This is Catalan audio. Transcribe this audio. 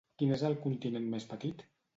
Quin és el continent més petit?